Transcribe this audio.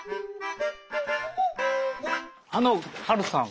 あのハルさん？